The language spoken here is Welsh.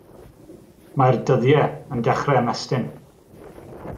Mae'r dyddiau yn dechrau ymestyn.